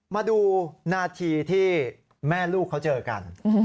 มาดูนาทีที่แม่ลูกเขาเจอกัน